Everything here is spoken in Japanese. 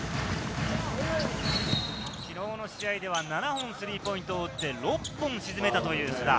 昨日の試合では７本スリーポイントを打って、６本沈めたという須田。